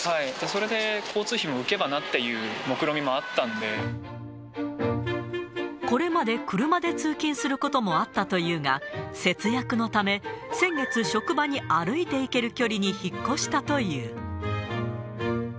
それで交通費も浮けばなってこれまで車で通勤することもあったというが、節約のため、先月職場に歩いて行ける距離に引っ越したという。